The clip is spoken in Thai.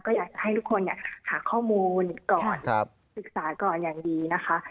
ก็อยากจะให้ทุกคนหาข้อมูลก่อนศึกษาก่อนอย่างดีนะคะ